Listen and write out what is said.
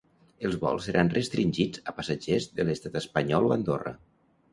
Els vols seran restringits a passatgers de l’estat espanyol o Andorra.